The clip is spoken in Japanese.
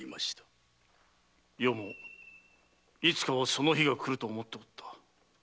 余もいつかはその日がくると思っておった。